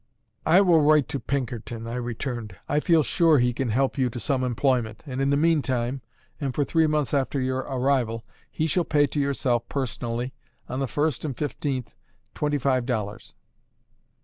"I will write to Pinkerton," I returned. "I feel sure he can help you to some employment, and in the meantime, and for three months after your arrival, he shall pay to yourself personally, on the first and the fifteenth, twenty five dollars."